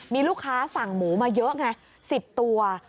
มีลูกค้าสั่งหมูมาเยอะไง๑๐ตัว